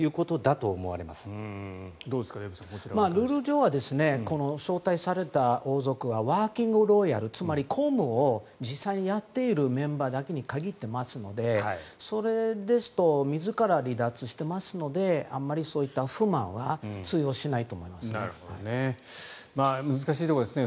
ルール上は招待された客はワーキングロイヤルつまり公務を実際にやっているメンバーに限っていますのでそれですと自ら離脱していますのであまりそういった不満は通用しないですね。